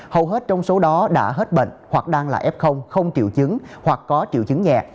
hầu hết trong số đó đã hết bệnh hoặc đang là f không triệu chứng hoặc có triệu chứng nhẹ